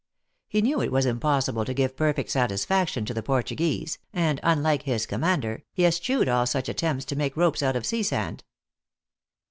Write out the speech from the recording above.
He knew it was impossible to give perfect satisfaction to the Portuguese, and unlike his commander, he eschewed all such attempts to make ropes out of sea sand.